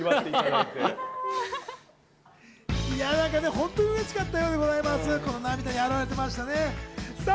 本当にうれしかったようでございます、この涙。